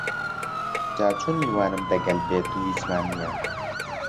جاچون میوانم دەگەل بێت و هیچمان نییە